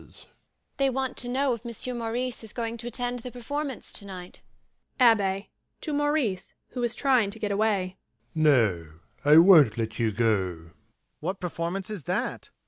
They want to know if Monsieur Maurice is going to attend the performance tonight. ABBÉ. [To MAURICE, who is trying to get away] No, I won't let you go. MAURICE. What performance is that?